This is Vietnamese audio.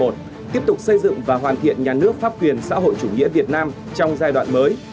tiếp tục xây dựng và hoàn thiện nhà nước pháp quyền xã hội chủ nghĩa việt nam trong giai đoạn mới